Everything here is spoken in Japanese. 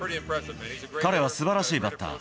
彼はすばらしいバッター。